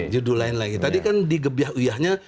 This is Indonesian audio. judul lain lagi tadi kan di gebiah uyahnya